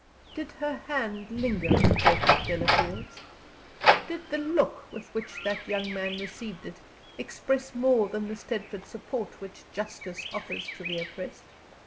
Did her hand linger in Jacob Delafield's? Did the look with which that young man received it express more than the steadfast support which justice offers to the oppressed?